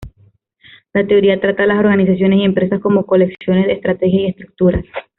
La teoría trata a las organizaciones y empresas como colecciones de estrategias y estructuras.